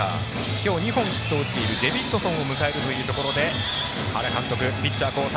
今日２本ヒットを打っているデビッドソンを迎えるところ原監督、ピッチャー交代。